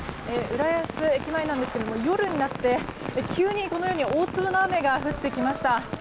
浦安駅前なんですけども夜になって急に、このように大粒の雨が降ってきました。